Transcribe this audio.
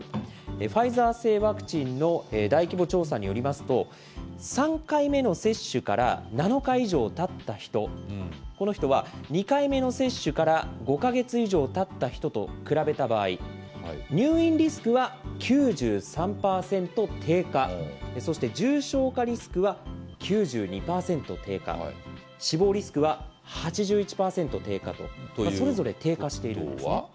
ファイザー製ワクチンの大規模調査によりますと、３回目の接種から７日以上たった人、この人は、２回目の接種から５か月以上たった人と比べた場合、入院リスクは９３％低下、そして重症化リスクは９２％低下、死亡リスクは８１％低下と、それぞれ低下しているんですね。